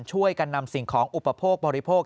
ช่วยกันนำสิ่งของอุปโภคบริโภค